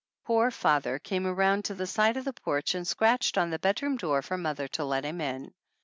Poor father came around to the side porch and scratched on the bedroom door for mother to let him in.